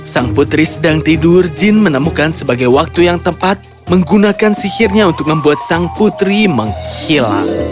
sang putri sedang tidur jin menemukan sebagai waktu yang tepat menggunakan sihirnya untuk membuat sang putri menghilang